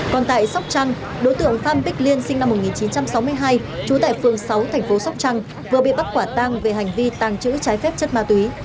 còn tại sóc trăng đối tượng phan bích liên sinh năm một nghìn chín trăm sáu mươi hai trú tại phường sáu thành phố sóc trăng vừa bị bắt quả tang về hành vi tàng trữ trái phép chất ma túy